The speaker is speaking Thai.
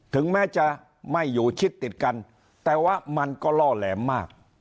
ถึงแม้จะไม่อยู่ชิดติดกันแต่ว่ามันก็ล่อแหลมมาก